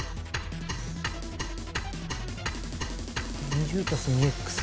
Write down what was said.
２０＋２Ｘ。